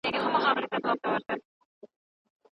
که د څېړنې هدف معلوم نه وي پایله نه لري.